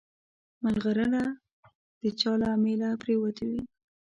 مرغلره د چا له امیله پرېوتې وي.